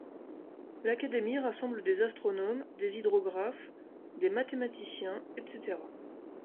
L’Académie rassemble des astronomes, des hydrographes, des mathématiciens, etc.